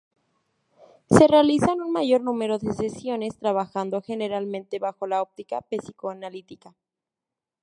Se realizan un mayor número de sesiones, trabajando generalmente bajo la óptica psicoanalítica.